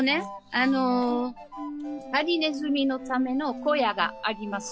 あのハリネズミのための小屋があります。